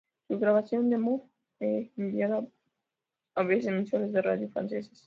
Su grabación demo fue enviada a varias emisoras de radio francesas.